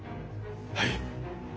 はい。